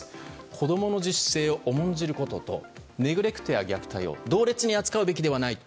子供の自主性を重んじることとネグレクトや虐待を同列に扱うべきではない。